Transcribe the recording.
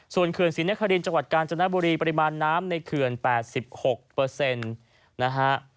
ส่วนเขื่อนศิลป์นครีนจังหวัดกาลจนบุรีปริมาณน้ำในเขื่อน๘๖เปอร์เซ็นต์นะครับ